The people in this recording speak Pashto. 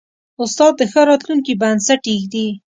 استاد د ښه راتلونکي بنسټ ایږدي.